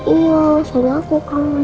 iya soalnya aku kangen